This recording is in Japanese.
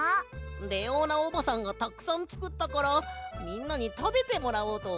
レオーナおばさんがたくさんつくったからみんなにたべてもらおうとおもってさ。